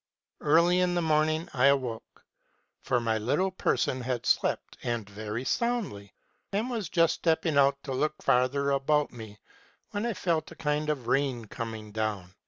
" Early in the morning I awoke (for my little person had slept, and very soundly) , and was just stepping out to look farther about me, when I felt a kind of rain coming on.